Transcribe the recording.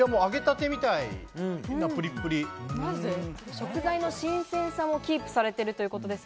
食材の新鮮さもキープされているということです。